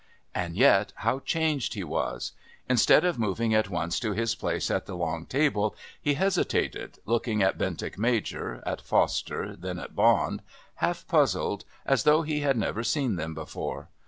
And yet how changed he was! Instead of moving at once to his place at the long table he hesitated, looked at Bentinck Major, at Foster, then at Bond, half puzzled, as though he had never seen them before.